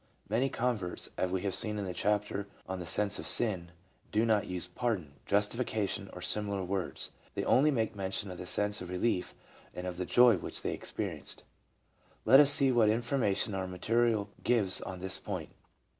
Many con verts, as we have seen in the chapter on the sense of sin, do not use "pardon," "justification," or similar words; they only make mention of the sense of relief and of the joy which they, experienced. Let us see what information our material gives on this point.